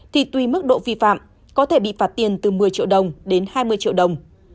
thì tùy mức độ vi phạm có thể bị phạt tiền từ một mươi triệu đồng đến hai mươi triệu đồng